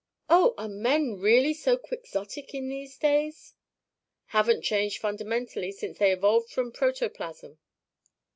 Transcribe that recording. "Oh! Are men really so Quixotic in these days?" "Haven't changed fundamentally since they evolved from protoplasm."